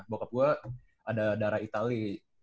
bokap gue ada darah itali